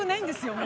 もう。